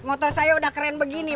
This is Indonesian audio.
motor saya udah keren begini